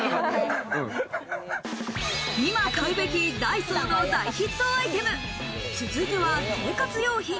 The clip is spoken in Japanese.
今買うべきダイソーの大ヒットアイテム、続いては生活用品。